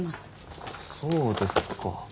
そうですか。